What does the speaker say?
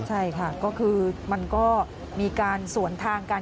ใช่ค่ะก็คือมันก็มีการสวนทางกัน